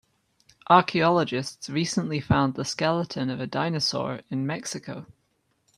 Archaeologists recently found the skeleton of a dinosaur in Mexico.